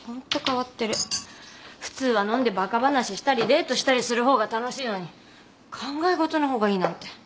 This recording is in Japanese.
普通は飲んでバカ話したりデートしたりするほうが楽しいのに考え事のほうがいいなんて。